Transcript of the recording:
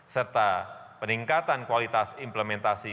serta peningkatan kualitas implementasi